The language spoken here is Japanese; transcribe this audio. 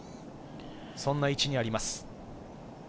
そんな位置にあります。